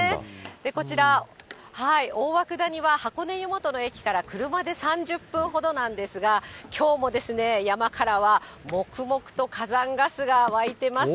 こちら、大涌谷は箱根湯本の駅から車で３０分ほどなんですが、きょうも山からはもくもくと火山ガスが湧いてます。